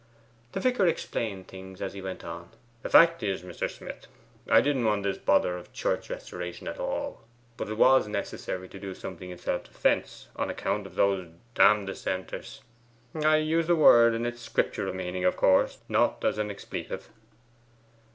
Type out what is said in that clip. The vicar explained things as he went on: 'The fact is, Mr. Smith, I didn't want this bother of church restoration at all, but it was necessary to do something in self defence, on account of those d dissenters: I use the word in its scriptural meaning, of course, not as an expletive.